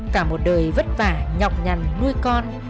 cả một đời vất vả nhọc nhằn nuôi con